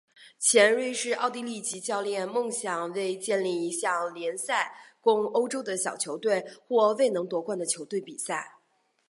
前瑞士奥地利籍教练梦想为建立一项联赛供欧洲的小球队或未能夺冠的球队比赛。